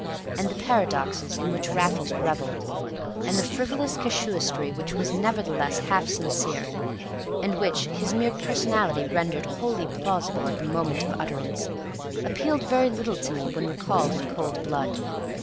And the paradoxes in which Raffles revelled, and the frivolous casuistry which was nevertheless half sincere, and which his mere personality rendered wholly plausible at the moment of utterance, appealed very little to me when recalled in cold blood.